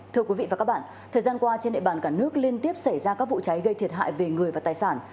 thưa quý vị và các bạn thời gian qua trên địa bàn cả nước liên tiếp xảy ra các vụ cháy gây thiệt hại về người và tài sản